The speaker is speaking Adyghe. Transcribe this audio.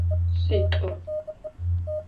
Şsit'u.